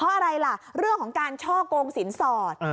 เพราะอะไรล่ะเรื่องของการช่อกงสินสอด